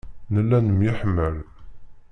Nella nemyeḥmal.